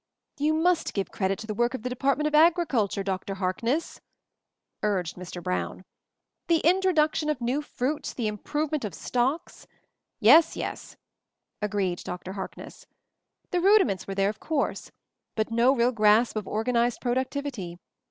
"You must give credit to the work of the Department of Agriculture, Dr. Harkness," urged Mr. Brown, "the intro duction of new fruits, the improvement of stocks " "Yes, yes," agreed Dr. Harkness, "the rudiments were there, of course; but no real grasp of organized productivity.